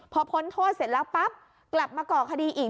พอพ้นโทษเสร็จแล้วปั๊บกลับมาก่อคดีอีก